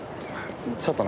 ちょっとな。